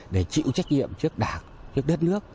để chịu trách nhiệm trước đảng trước đất nước